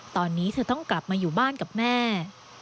ตอนนี้เธอต้องกลับมาอยู่บ้านกับแม่